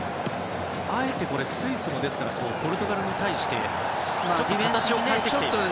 あえてスイスもポルトガルに対して形を変えてきています。